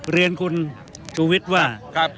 เรียนคุณชุวิตว่า